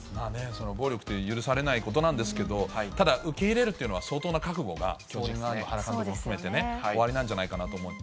暴力という許されないことなんですけれども、ただ、受け入れるっていうのは、相当な覚悟が、巨人側にも、原監督も含めておありなんじゃないかなと思って。